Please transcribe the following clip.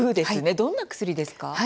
どんな薬ですか？